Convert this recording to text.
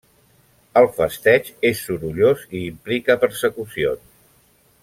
El festeig és sorollós i implica persecucions.